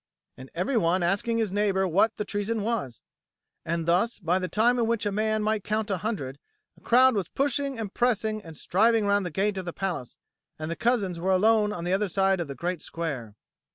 and every one asking his neighbour what the treason was. And thus, by the time in which a man might count a hundred, a crowd was pushing and pressing and striving round the gate of the palace, and the cousins were alone on the other side of the great square.